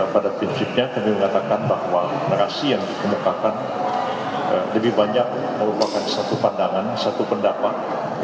pada prinsipnya kami mengatakan bahwa narasi yang dikemukakan lebih banyak merupakan satu pandangan satu pendapat